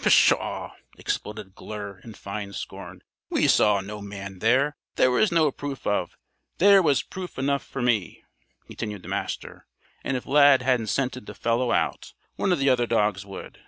"Pshaw!" exploded Glure in fine scorn. "We saw no man there. There was no proof of " "There was proof enough for me," continued the Master. "And if Lad hadn't scented the fellow one of the other dogs would.